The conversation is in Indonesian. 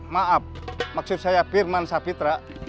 maaf maksud saya firman sapitra